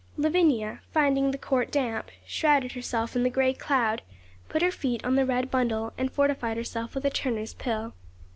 Lavinia, finding the court damp, shrouded herself in the grey cloud, put her feet on the red bundle, and fortified herself with a Turner's pill.